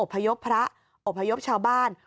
พยพพระอบพยพชาวบ้าน